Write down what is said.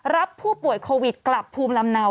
รับผู้ป่วยโควิดกลับภูมิลำเนา